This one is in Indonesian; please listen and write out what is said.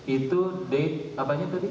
itu date apanya tadi